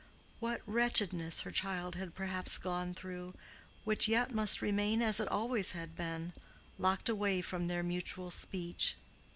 What wretchedness her child had perhaps gone through, which yet must remain as it always had been, locked away from their mutual speech.